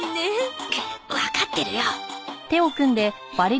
わかってるよ。